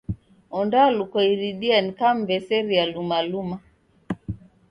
Ondalukwa iridia nikam'mbeseria luma luma.